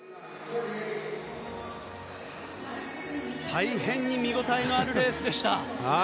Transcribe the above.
大変に見応えのあるレースでした。